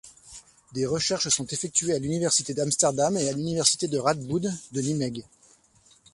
Des recherches sont effectuées à l'Université d'Amsterdam et à l'Université Radboud de Nimègue.